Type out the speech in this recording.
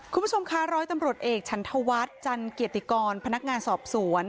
คุณผู้ชมคะร้อยตำรวจเอกฉันธวัฒน์จันเกียรติกรพนักงานสอบสวน